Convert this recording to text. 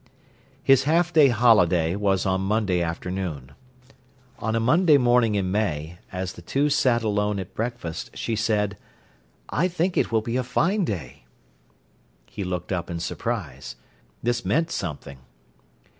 His half day holiday was on Monday afternoon. On a Monday morning in May, as the two sat alone at breakfast, she said: "I think it will be a fine day." He looked up in surprise. This meant something.